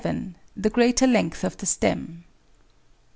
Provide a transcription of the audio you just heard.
The greater length of stem.